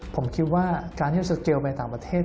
ผมคิดว่าการที่สเกลไปต่างประเทศ